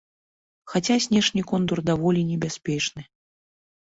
Хаця знешні контур даволі небяспечны.